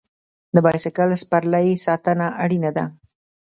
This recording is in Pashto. د بایسکل سپرلۍ ساتنه اړینه ده.